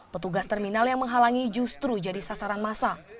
petugas terminal yang menghalangi justru jadi sasaran masa